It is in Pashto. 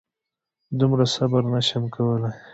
دومره صبر نه شم کولی.